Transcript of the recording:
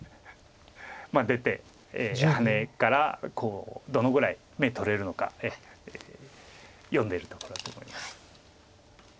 出てハネからどのぐらい眼取れるのか読んでるところだと思います。